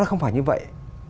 không phải như vậy